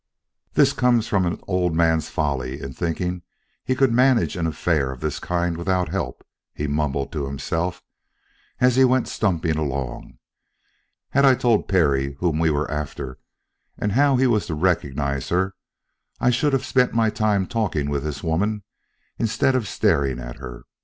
"This comes from an old man's folly in thinking he could manage an affair of this kind without help," he mumbled to himself as he went stumping along. "Had I told Perry whom we were after and how he was to recognize her, I should have spent my time talking with this woman instead of staring at her.